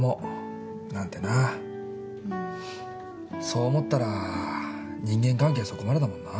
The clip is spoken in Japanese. そう思ったら人間関係そこまでだもんな。